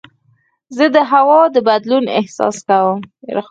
زه د هوا د بدلون احساس کوم.